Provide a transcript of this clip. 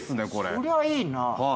そりゃいいな。